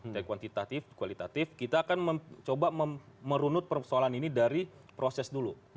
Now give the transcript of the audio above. dari kuantitatif kualitatif kita akan mencoba merunut persoalan ini dari proses dulu